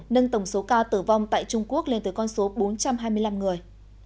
nâng tổng số ca tử vong tại trung quốc lên tới con số bốn trăm hai mươi năm người